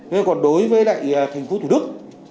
nên còn đối với lại thành phố thủ đức